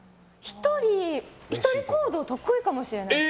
１人行動は得意かもしれないです。